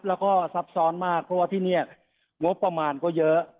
แล้วก็ซับซ้อนมากเพราะว่าที่นี่งบประมาณก็เยอะ